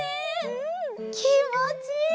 うんきもちいい！